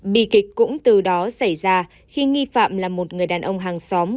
bi kịch cũng từ đó xảy ra khi nghi phạm là một người đàn ông hàng xóm